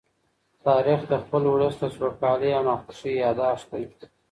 تاریخ د خپل ولس د سوکالۍ او ناخوښۍ يادښت دی.